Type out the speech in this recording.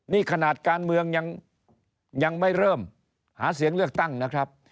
นี่ขนาดการเมืองยังไม่เริ่มหาเสียงเลือกตั้งนะครับ